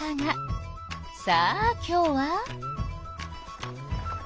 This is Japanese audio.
さあ今日は。